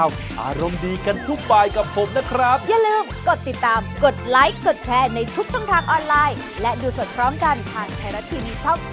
สวัสดีครับสวัสดีครับสวัสดีครับ